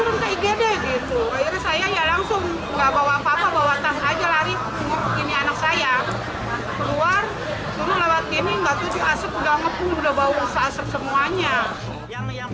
ini anak saya keluar terus lewat ini nggak tuh aset udah ngepung udah bau se aset semuanya